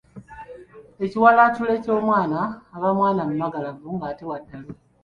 Ekiwalattule ky'omwana aba mwana mumagalavu ate nga wa ddalu.